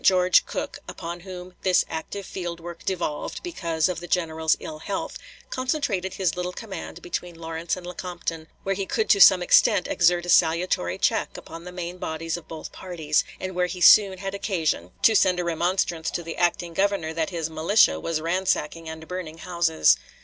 George Cooke, upon whom this active field work devolved, because of the General's ill health, concentrated his little command between Lawrence and Lecompton, where he could to some extent exert a salutary check upon the main bodies of both parties, and where he soon had occasion to send a remonstrance to the acting Governor that his "militia" was ransacking and burning houses.